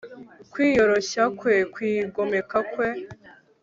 Kwiyoroshya kwe kwigomeka kwe